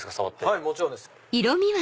はいもちろんです。